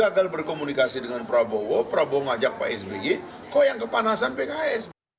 gagal berkomunikasi dengan prabowo prabowo ngajak pak sby kok yang kepanasan pks